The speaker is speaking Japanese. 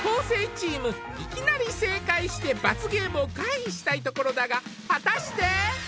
生チームいきなり正解して罰ゲームを回避したいところだが果たして？